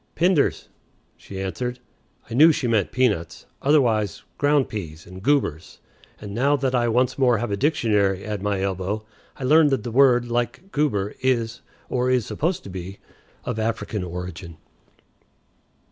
"Pinders," she answered. I knew she meant peanuts, otherwise "ground peas" and "goobers," and now that I once more have a dictionary at my elbow I learn that the word, like "goober," is, or is supposed to be, of African origin.